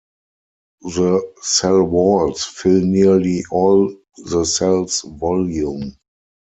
The cell walls fill nearly all the cell's volume.